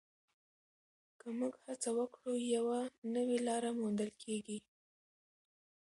که موږ هڅه وکړو، یوه نوې لاره موندل کېږي.